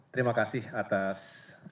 terima kasih atas